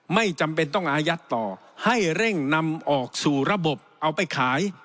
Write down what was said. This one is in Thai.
ไม่จำเป็นต้องอายัดต่อให้เร่งนำออกสู่ระบบเอาไปขาย